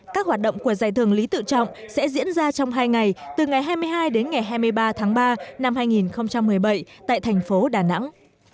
các hoạt động của giải thưởng lý tự trọng sẽ diễn ra trong hai ngày từ ngày hai mươi hai đến ngày hai mươi ba tháng ba năm hai nghìn một mươi bảy tại thành phố đà nẵng